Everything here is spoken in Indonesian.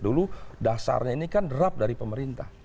dulu dasarnya ini kan draft dari pemerintah